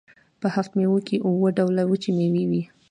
په هفت میوه کې اووه ډوله وچې میوې وي.